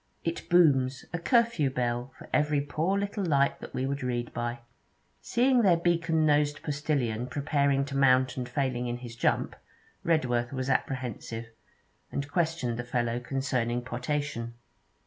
It booms a curfew bell for every poor little light that we would read by.' Seeing their beacon nosed postillion preparing too mount and failing in his jump, Redworth was apprehensive, and questioned the fellow concerning potation.